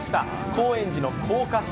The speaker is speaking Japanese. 高円寺の高架下。